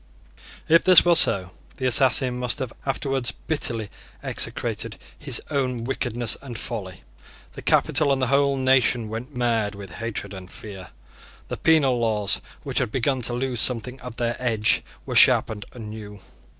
If this were so, the assassin must have afterwards bitterly execrated his own wickedness and folly. The capital and the whole nation went mad with hatred and fear. The penal laws, which had begun to lose something of their edge, were sharpened anew.